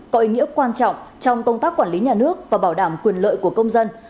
có ý nghĩa quan trọng trong công tác quản lý nhà nước và bảo đảm quyền lợi của công dân